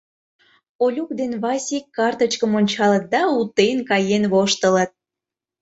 Олюк ден Васик карточкым ончалыт да утен каен воштылыт.